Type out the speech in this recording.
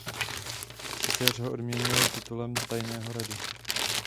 Císař ho odměnil titulem tajného rady.